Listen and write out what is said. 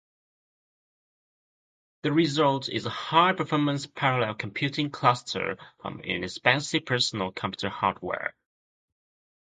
The result is a high-performance parallel computing cluster from inexpensive personal computer hardware.